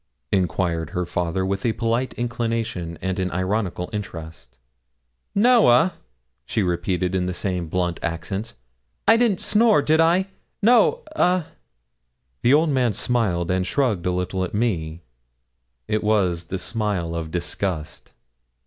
enquired her father, with a polite inclination and an ironical interest. 'No a,' she repeated in the same blunt accents; 'I didn't snore; did I? No a.' The old man smiled and shrugged a little at me it was the smile of disgust.